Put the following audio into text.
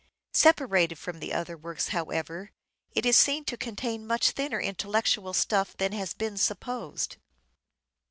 Separated from the other works, however, it is seen to contain much thinner intellectual stuff than has been supposed.